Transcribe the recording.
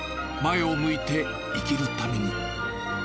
前を向いて生きるために。